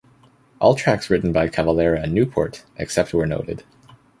All tracks written by Cavalera and Newport, except where noted.